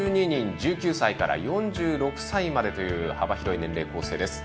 １９歳から４６歳までという幅広い年齢構成です。